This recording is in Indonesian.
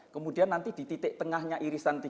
kemudian nanti di titik tengahnya irisan tiga